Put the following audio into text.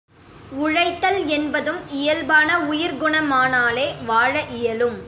உழைத்தல் என்பதும் இயல்பான உயிர்க் குணமானாலே வாழ இயலும்.